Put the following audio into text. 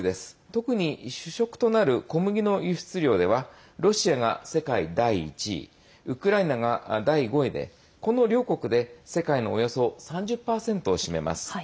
特に主食となる小麦の輸出量ではロシアが世界第１位ウクライナが第５位でこの両国で世界のおよそ３０％を占めます。